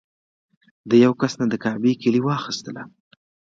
د یوه کس نه د کعبې کیلي واخیستله.